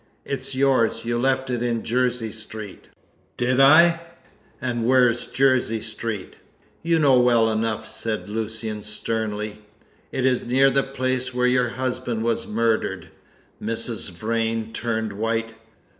"It's yours; you left it in Jersey Street!" "Did I? And where's Jersey Street?" "You know well enough," said Lucian sternly. "It is near the place where your husband was murdered." Mrs. Vrain turned white.